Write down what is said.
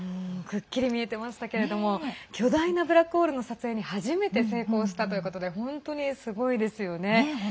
くっきり見えてましたけれども巨大なブラックホールの撮影に初めて成功したということで本当にすごいですよね。